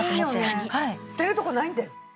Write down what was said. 捨てるとこないんで。